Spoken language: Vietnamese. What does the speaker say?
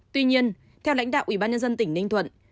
tuy nhiên theo lãnh đạo ubnd tỉnh ninh thuận